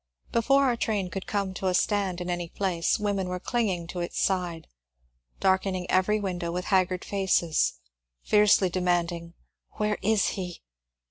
Before our train could come to a stand in any place, women were clinging to its side, darken ing every window with haggard faces, fiercely demanding, Where is he